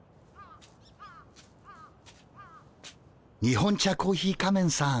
日本茶コーヒー仮面さん。